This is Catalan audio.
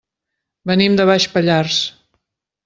Venim de Baix Pallars.